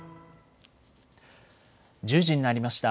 １０時になりました。